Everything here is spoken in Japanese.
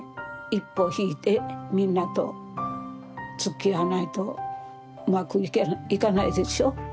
一歩引いてみんなとつきあわないとうまくいかないでしょ。